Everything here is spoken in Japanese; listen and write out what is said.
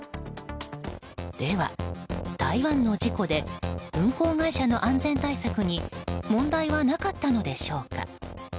では台湾の事故で運行会社の安全対策に問題はなかったのでしょうか。